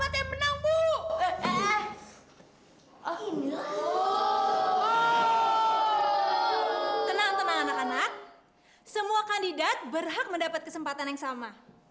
tenang tenang anak anak semua kandidat berhak mendapat kesempatan yang sama